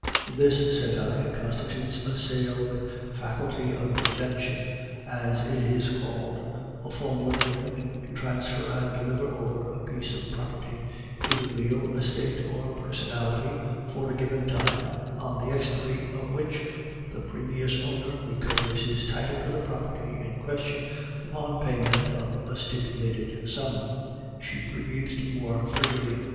"'This,' said I, 'constitutes a sale with faculty of redemption, as it is called, a formal agreement to transfer and deliver over a piece of property, either real estate or personalty, for a given time, on the expiry of which the previous owner recovers his title to the property in question, upon payment of a stipulated sum.' "She breathed more freely.